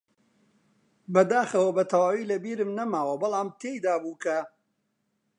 بەداخەوە بەتەواوی لەبیرم نەماوە، بەڵام تێیدابوو کە: